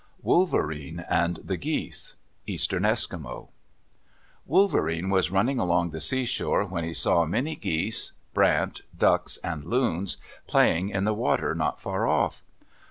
WOLVERENE AND THE GEESE Eastern Eskimo Wolverene was running along the seashore, when he saw many geese, brant, ducks, and loons, playing in the water not far off.